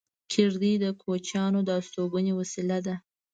کېږدۍ د کوچیانو د استوګنې وسیله ده